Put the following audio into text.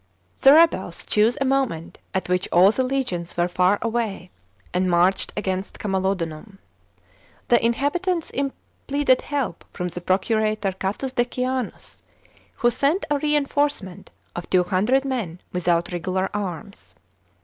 rebels chose a moment at which all the legions were far end marched against Camalodunum. The inhabitants im plcrccl help from the procurator Catus Decianus, who sent a reinforcement of two hundred men without regular arms.